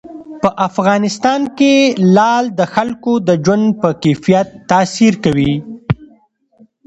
په افغانستان کې لعل د خلکو د ژوند په کیفیت تاثیر کوي.